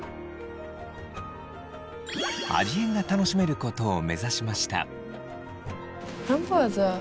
味変が楽しめることを目指しました。